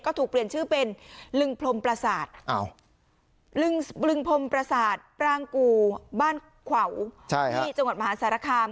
ก็ถูกเปลี่ยนชื่อเป็นลึงพรมประสาทลึงพรมประสาทปรางกูบ้านขวาวที่จังหวัดมหาสารคาม